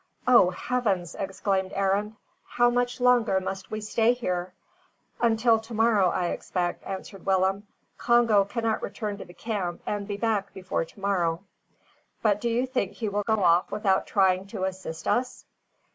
"O heavens!" exclaimed Arend. "How much longer must we stay here?" "Until to morrow, I expect," answered Willem. "Congo cannot return to the camp and be back before to morrow." "But do you think he will go off without trying to assist us?"